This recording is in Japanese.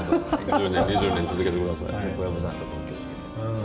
１０年、２０年続けてください。